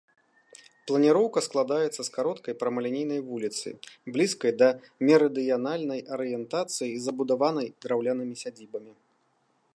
Планіроўка складаецца з кароткай прамалінейнай вуліцы, блізкай да мерыдыянальнай арыентацыі і забудаванай драўлянымі сядзібамі.